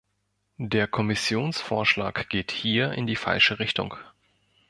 Der Kommissionsvorschlag geht hier in die falsche Richtung.